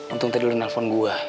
untung tadi dulu nelfon gue